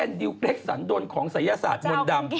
แอนดิวเลขสันโดนของศรียะสัตว์มนต์ดำ